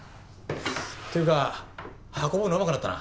っていうか運ぶのうまくなったな。